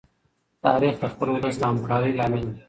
تاریخ د خپل ولس د همکارۍ لامل دی.